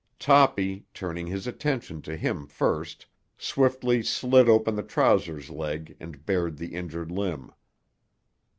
Toppy, turning his attention to him first, swiftly slit open the trousers leg and bared the injured limb.